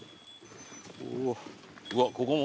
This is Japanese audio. うわここも。